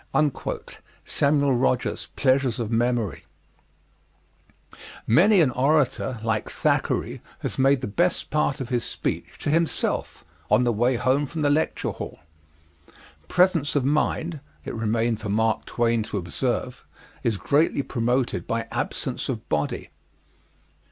SAMUEL ROGERS, Pleasures of Memory. Many an orator, like Thackeray, has made the best part of his speech to himself on the way home from the lecture hall. Presence of mind it remained for Mark Twain to observe is greatly promoted by absence of body.